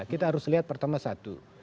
kita harus lihat pertama satu